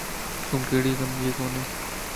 تون ڪھڙي ڪم جي ڪوني.